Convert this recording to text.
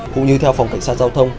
cũng như theo phòng cảnh sát giao thông